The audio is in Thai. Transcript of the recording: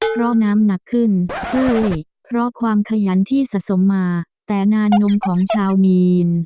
เพราะน้ำหนักขึ้นเฮ้ยเพราะความขยันที่สะสมมาแต่นานนมของชาวมีน